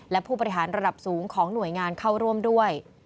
และผู้บริหารระดับสูงของหน่วยงานเข้าร่วมด้วย